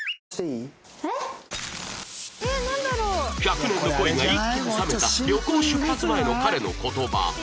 １００年の恋が一気に冷めた旅行出発前の彼の言葉